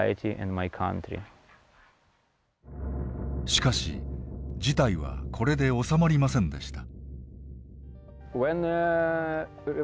しかし事態はこれで収まりませんでした。